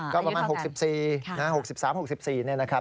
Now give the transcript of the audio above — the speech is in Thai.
ก็ประมาณ๖๔นะ๖๓๖๔นะครับ